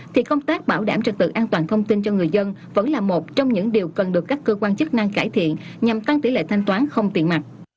thì công tác bảo đảm trực tự an toàn thông tin cho người dân vẫn là một trong những điều cần được các cơ quan chức năng cải thiện nhằm tăng tỷ lệ thanh toán không tiền mặt